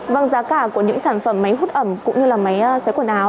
vâng giá cả của những sản phẩm máy hút ẩm cũng như máy xấy quần áo